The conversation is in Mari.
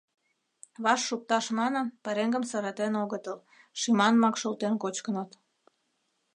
Ваш шукташ манын, пареҥгым саратен огытыл, шӱманымак шолтен кочкыныт.